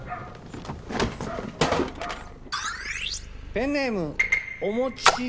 ペンネームおもち。